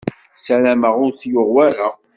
Ssarameɣ ur t-yuɣ wara.